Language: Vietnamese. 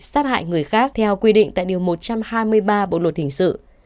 sát hại người khác theo quy định tại điều một trăm hai mươi ba bộ luật hình sự